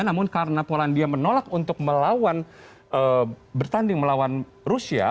namun karena polandia menolak untuk bertanding melawan rusia